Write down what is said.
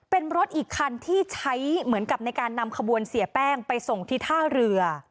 เป็นรถอีกคันที่ใช้เหมือนกับในการนำขบวนเสียแป้งไปส่งที่ท่าเรือ